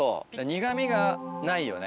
苦みがないよね